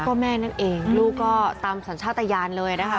ก็แม่นั่นเองลูกก็ตามสัญชาติยานเลยนะคะ